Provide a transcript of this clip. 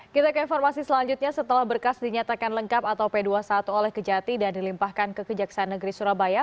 kita ke informasi selanjutnya setelah berkas dinyatakan lengkap atau p dua puluh satu oleh kejati dan dilimpahkan ke kejaksaan negeri surabaya